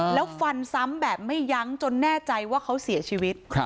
แล้วฟันซ้ำแบบไม่ยั้งจนแน่ใจว่าเขาเสียชีวิต